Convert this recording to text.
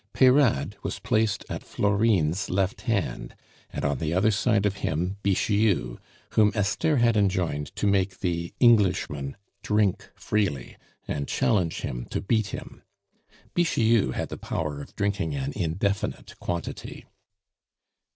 Peyrade was placed at Florine's left hand, and on the other side of him Bixiou, whom Esther had enjoined to make the Englishman drink freely, and challenge him to beat him. Bixiou had the power of drinking an indefinite quantity.